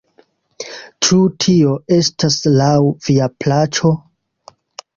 Ĉu tio estas laŭ via plaĉo?